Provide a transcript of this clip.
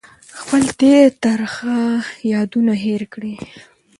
خپل تېر ترخه یادونه هېر کړئ.